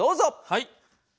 はい。